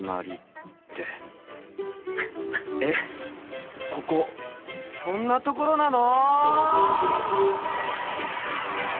えっここそんなところなの！？